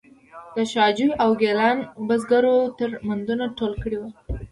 د شاه جوی او ګیلان بزګرو درمندونه ټول کړي وو.